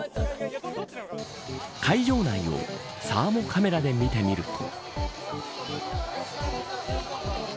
会場内をサーモカメラで見てみると。